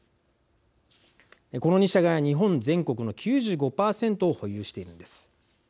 この２社が日本全国の９５％を保有しているんです。